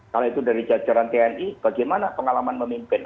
kalau itu dari jajaran tni bagaimana pengalaman memimpin